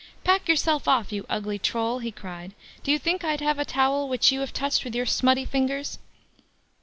"Pack yourself off, you ugly Troll", he cried; "do you think I'd have a towel which you have touched with your smutty fingers?"